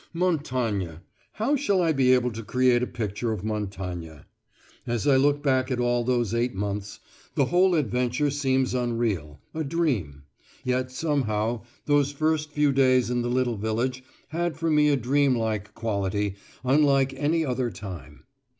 Montagne How shall I be able to create a picture of Montagne? As I look back at all those eight months, the whole adventure seems unreal, a dream; yet somehow those first few days in the little village had for me a dream like quality, unlike any other time.